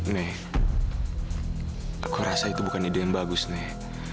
nek aku rasa itu bukan ide yang bagus nek